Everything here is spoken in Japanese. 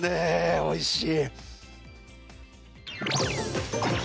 おいしい。